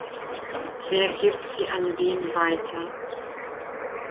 Wer gibt sie an wen weiter?